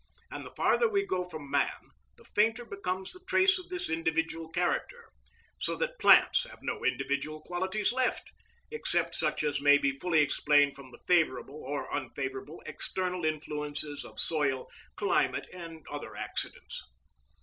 And the farther we go from man, the fainter becomes the trace of this individual character, so that plants have no individual qualities left, except such as may be fully explained from the favourable or unfavourable external influences of soil, climate, and other accidents.